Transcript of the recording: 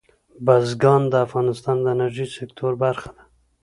بزګان د افغانستان د انرژۍ د سکتور برخه ده.